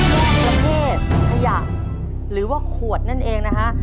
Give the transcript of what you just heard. ประเภทขยะหรือว่าขวดนั่นเองนะฮะ